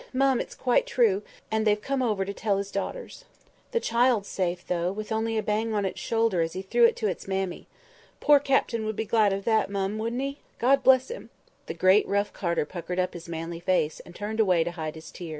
Mum, it's quite true, and they've come over to tell his daughters. The child's safe, though, with only a bang on its shoulder as he threw it to its mammy. Poor Captain would be glad of that, mum, wouldn't he? God bless him!" The great rough carter puckered up his manly face, and turned away to hide his tears.